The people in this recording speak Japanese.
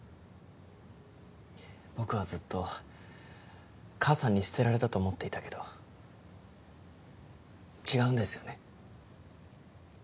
僕はずっと母さんに捨てられたと思っていたけど違うんですよね